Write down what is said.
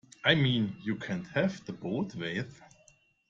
I mean, you can't have it both ways.